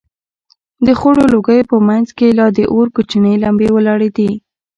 د خړو لوگيو په منځ کښې لا د اور کوچنۍ لمبې ولاړېدې.